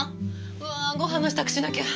うわご飯の支度しなきゃ。